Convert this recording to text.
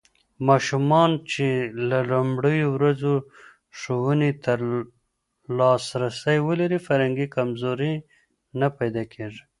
ماشومان چې له لومړيو ورځو ښوونې ته لاسرسی ولري، فکري کمزوري نه پيدا کېږي.